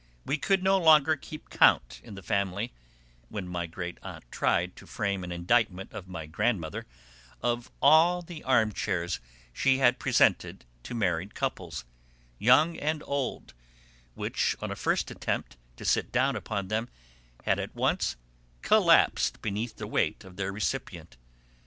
We could no longer keep count in the family (when my great aunt tried to frame an indictment of my grandmother) of all the armchairs she had presented to married couples, young and old, which on a first attempt to sit down upon them had at once collapsed beneath the weight of their recipient.